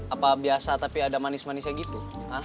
apa biasa tapi ada manis manisnya gitu